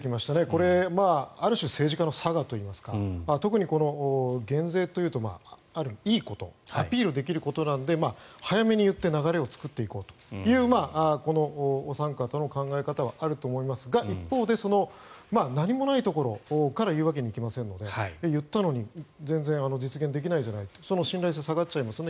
これ、ある種政治家のさがといいますか特に減税というといいことアピールできることなので早めに言って流れを作っていこうというこのお三方の考え方はあると思いますが一方で何もないところから言うわけにはいきませんので言ったのに全然実現できないじゃないって信頼性が下がっちゃいます。